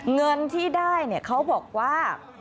เงินที่ได้เขาบอกว่า